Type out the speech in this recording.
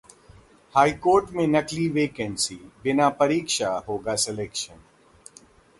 high court में निकली vacancy, बिना परीक्षा होगा सेलेक्शन